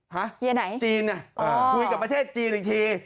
เฮียไหนจีนคุยกับประเทศจีนอีกที